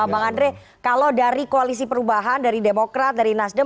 bang andre kalau dari koalisi perubahan dari demokrat dari nasdem